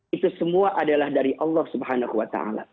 itu semua adalah dari allah swt